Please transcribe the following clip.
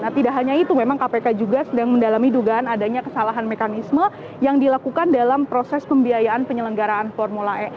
nah tidak hanya itu memang kpk juga sedang mendalami dugaan adanya kesalahan mekanisme yang dilakukan dalam proses pembiayaan penyelenggaraan formula e